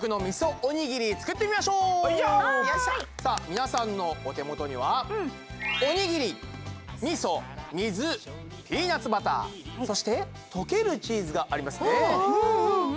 みなさんのお手元にはおにぎりみそ水ピーナツバターそしてとけるチーズがありますね。